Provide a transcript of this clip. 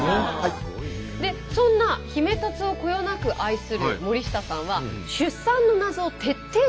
そんなヒメタツをこよなく愛する森下さんはすごいですね。